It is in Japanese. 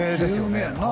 有名やんな